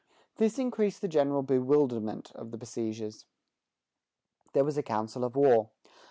This increased the general bewilderment of the besiegers. There was a council of war.